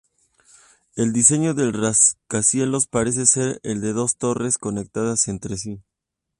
El diseño del rascacielos parece ser el de dos torres conectadas entre sí.